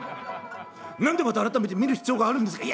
何でまた改めて見る必要があるんですか」。